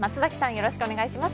よろしくお願いします。